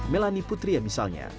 melanie putria misalnya